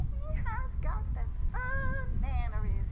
— he has got de fine mannerses.